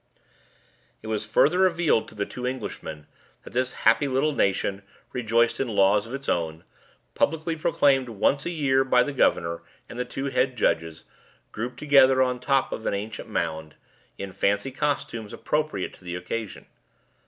It was further revealed to the two Englishmen that this happy little nation rejoiced in laws of its own, publicly proclaimed once a year by the governor and the two head judges, grouped together on the top of an ancient mound, in fancy costumes appropriate to the occasion.